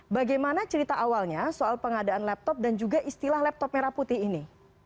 bagaimana cerita awalnya soal pengadaan laptop dan juga istilah laptop merah putih ini